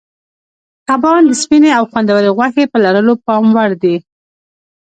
کبان د سپینې او خوندورې غوښې په لرلو پام وړ دي.